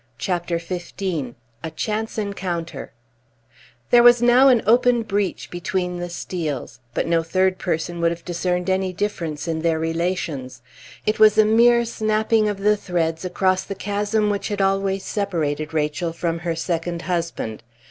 ] CHAPTER XV A CHANCE ENCOUNTER There was now an open breach between the Steels, but no third person would have discerned any difference in their relations. It was a mere snapping of the threads across the chasm which had always separated Rachel from her second husband.